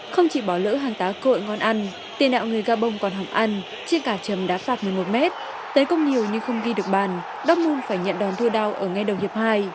không chỉ bỏ lỡ hàng tá cội ngon ăn tiền đạo người gabon còn hỏng ăn chiếc cả trầm đá phạp một mươi một mét tấn công nhiều nhưng không ghi được bàn dortmund phải nhận đòn thua đau ở ngay đầu hiệp hai